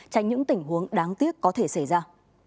tránh những tình huống đáng tiếc có thể xảy ra